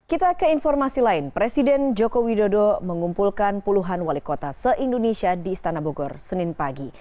kita ke informasi lain presiden joko widodo mengumpulkan puluhan wali kota se indonesia di istana bogor senin pagi